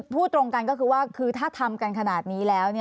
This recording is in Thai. พูดตรงกันถ้าทำกันขนาดนี้แล้ว